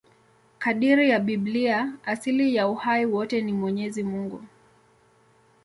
Kadiri ya Biblia, asili ya uhai wote ni Mwenyezi Mungu.